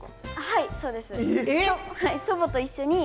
はいそうです。